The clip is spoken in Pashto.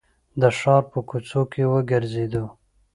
د ښار په کوڅو کې وګرځېدو.